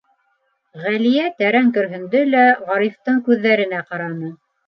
- Ғәлиә тәрән көрһөндө лә Ғарифтың күҙҙәренә ҡараны.